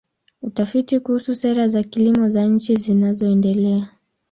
Utafiti kuhusu sera za kilimo za nchi zinazoendelea.